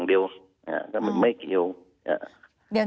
ทำไมไม่เกียว